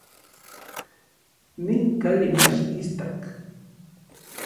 Nin kali mach istak.